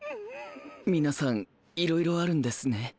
皆さんいろいろあるんですね。